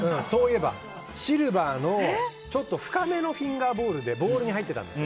シルバーの深めのフィンガーボウルでボウルに入っていたんですよ。